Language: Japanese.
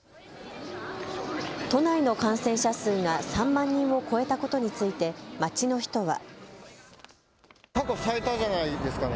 都内の感染者数が３万人を超えたことについて街の人は。